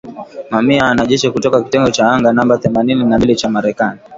Mamia ya wanajeshi kutoka kitengo cha anga namba themanini na mbili cha Marekani